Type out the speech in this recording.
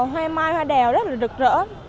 hoa mai hoa đèo rất là rực rỡ